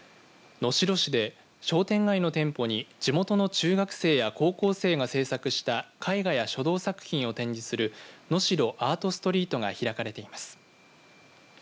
能代市で商店街の店舗に地元の中学生や高校生が制作した絵画や書道作品を展示するのしろアートストリートが開かれています。